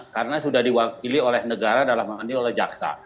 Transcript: karena sudah diwakili oleh negara dalam anggaran diolah jaksa